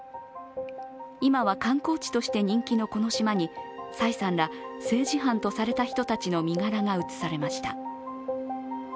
今は観光地として人気のこの島に蔡さんら政治犯とされた人たちの身柄が移されました。